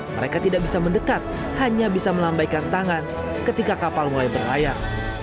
mereka tidak bisa mendekat hanya bisa melambaikan tangan ketika kapal mulai berlayar